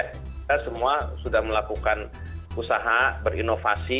kita semua sudah melakukan usaha berinovasi